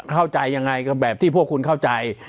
เข้าใจยังไงก็แบบที่พวกคุณเข้าใจ